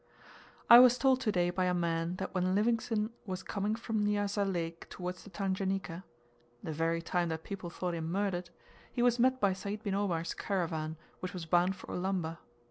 I was told to day by a man that when Livingstone was coming from Nyassa Lake towards the Tanganika (the very time that people thought him murdered) he was met by Sayd bin Omar's caravan, which was bound for Ulamba.